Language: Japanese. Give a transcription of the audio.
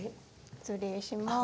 失礼します。